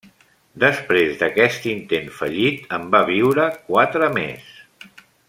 Després d'aquest intent fallit en va viure quatre més.